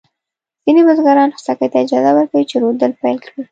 ځینې بزګران خوسکي ته اجازه ورکوي چې رودل پيل کړي.